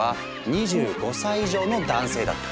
２５歳以上の男性だった。